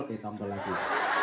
oke tompol lagi